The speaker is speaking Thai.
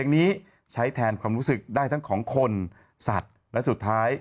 ในความรู้สึกได้แบบผม